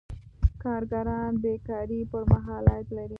کارګران بې کارۍ پر مهال عاید لري.